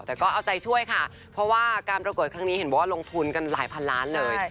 แต่ก็เอาใจช่วยค่ะเพราะว่าการประกวดครั้งนี้เห็นบอกว่าลงทุนกันหลายพันล้านเลย